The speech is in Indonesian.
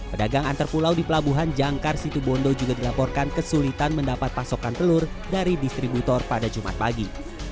pedagang antar pulau di pelabuhan jangkar situbondo juga dilaporkan kesulitan mendapat pasokan telur dari distributor pada jumat pagi